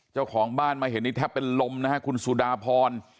เจ้าของบ้านมาเห็นนี่แทบเป็นลมนะฮะคุณสุดาพร